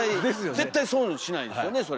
絶対損しないですよねそれ。